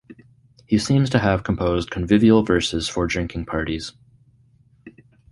He seems to have composed convivial verses for drinking parties.